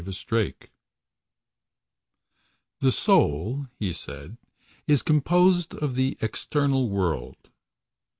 pdf The soul, he said, is composed Of the external world.